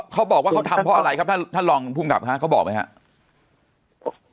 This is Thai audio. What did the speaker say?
เขาบอกว่าเขาทำเพราะอะไรครับท่านรองภูมิกับครับเขาบอกไหมครับ